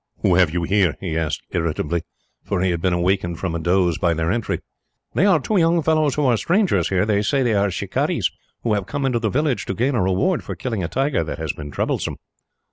"Who have you here?" he asked irritably, for he had been awakened from a doze by their entry. "They are two young fellows, who are strangers here. They say they are shikarees, who have come into the village to gain a reward for killing a tiger that has been troublesome."